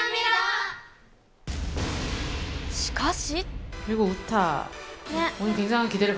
しかし！